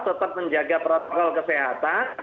tetap menjaga protokol kesehatan